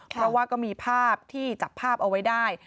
เพราะว่าก็มีภาพที่จับภาพเอาไว้ได้